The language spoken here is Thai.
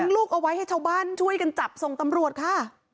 ลูกเอาไว้ให้ชาวบ้านช่วยกันจับส่งตำรวจค่ะ